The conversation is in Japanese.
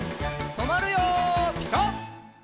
とまるよピタ！